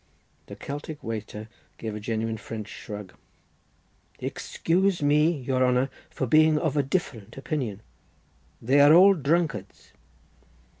The Celtic waiter gave a genuine French shrug. "Excuse me, your honour, for being of a different opinion. They are all drunkards."